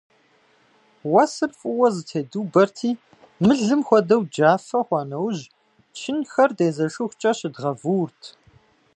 Уэсыр фӀыуэ зэтедубэрти, мылым хуэдэу джафэ хъуа нэужь, чынхэр дезэшыхукӀэ щыдгъэвуурт.